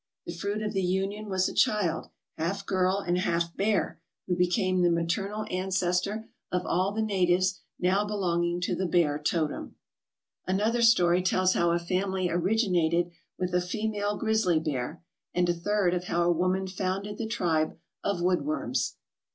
The fruit of the union was a child half girl and half bear, who became the maternal ancestor of all the natives now belonging to the 54 TOTEM INDIANS AND THEIR CUSTOMS Bear totem. Another story tells how a family originated with a female grizzly bear, and a third of how a woman founded the tribe of Woodworms.